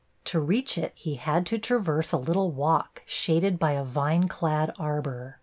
To reach it he had to traverse a little walk shaded by a vineclad arbor.